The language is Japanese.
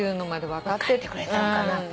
分かってくれたのかな。